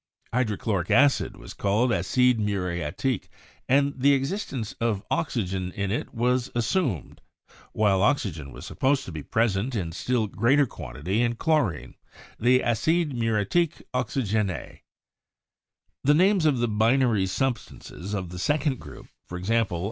Hydrochloric acid was called 'acide mu riatique,' and the existence of oxygen in it was assumed; while oxygen was supposed to be present in still greater quantity in chlorine — the 'acide muriatique oxygene/ The names of the binary substances of the second group — i.e.